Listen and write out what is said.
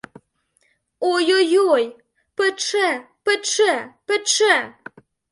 Ой-ой-ой, пече, пече, пече!